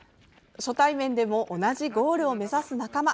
初対面でも同じゴールを目指す仲間。